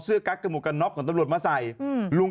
แต่ว่ากับของตำรวจจริง